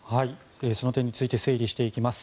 その点について整理していきます。